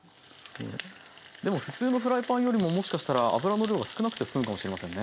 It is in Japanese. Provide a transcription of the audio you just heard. でも普通のフライパンよりももしかしたら油の量が少なくてすむかもしれませんね。